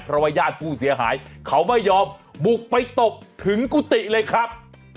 เพราะว่าญาติผู้เสียหายเขาไม่ยอมบุกไปตบถึงกุฏิเลยครับ